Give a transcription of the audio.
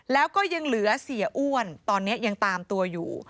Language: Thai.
แล้วก็ยังเหลือเสียอ้วนตอนนี้ยังตามตัวอยู่